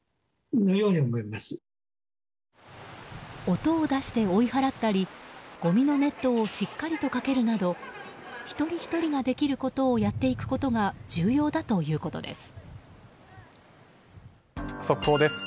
音を出して追い払ったりごみのネットをしっかりとかけるなど一人ひとりができることをやっていくことが速報です。